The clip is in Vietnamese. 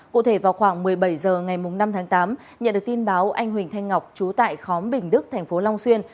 cụ thể vào khoảng một mươi bảy h ngày năm tháng tám nhận được tin báo anh huỳnh thanh ngọc chú tại khóm bình đức thành phố long xuyên